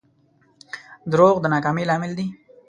دروغ د ناکامۍ لامل دي.